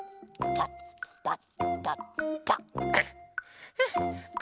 パッパッパッパッと。